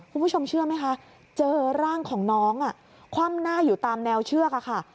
คุณผู้ชมเชื่อไหมคะเจอร่างของน้องคว่ำหน้าอยู่ตามแนวเชือกค่ะ